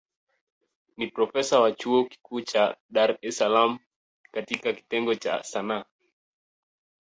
Ni profesa wa chuo kikuu cha Dar es Salaam katika kitengo cha Sanaa.